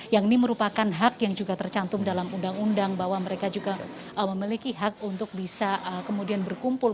yang ini merupakan hak yang juga tercantum dalam undang undang bahwa mereka juga memiliki hak untuk bisa kemudian berkumpul